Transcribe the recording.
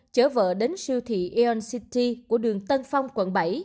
chở vợ đến siêu thị eon city của đường tân phong quận bảy